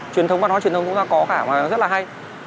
truyền thống bắt nó truyền thống chúng ta có cả mà rất là hay